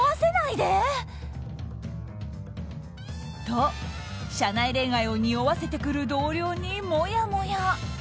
と、社内恋愛を匂わせてくる同僚にもやもや。